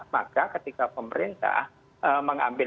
maka ketika pemerintah mengambil